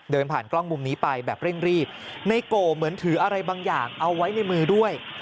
เดินผ่านกล้องมุมนี้ไปแบบเร่งรีบในโก่เหมือนถืออะไรบางอย่างเอาไว้ในมือด้วย